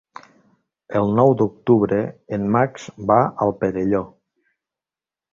El nou d'octubre en Max va al Perelló.